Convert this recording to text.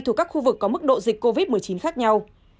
thuộc các khu vực có mức độ dịch covid một mươi chín khác nhau